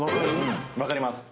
分かります。